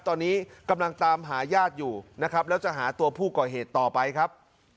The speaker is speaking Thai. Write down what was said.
ตอนนี้กำลังตามหาญาติอยู่นะครับแล้วจะหาตัวผู้ก่อเหตุต่อไปครับ